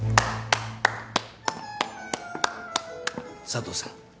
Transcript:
佐都さん